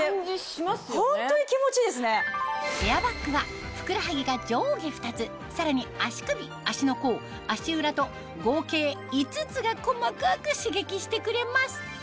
エアバッグはふくらはぎが上下２つさらに足首足の甲足裏と合計５つが細かく刺激してくれます